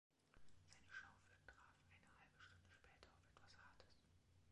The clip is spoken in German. Seine Schaufel traf eine halbe Stunde später auf etwas Hartes.